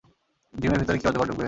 ডিমের ভিতরে কি অজগর ডুকবে!